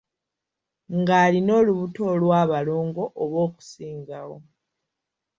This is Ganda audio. Ng'alina olubuto olw'abalongo oba okusingawo